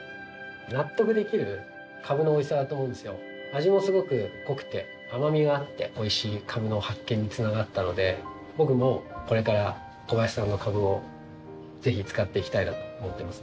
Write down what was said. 味もすごく濃くて甘みがあって美味しいかぶの発見に繋がったので僕もこれから小林さんのかぶをぜひ使っていきたいなと思ってますね。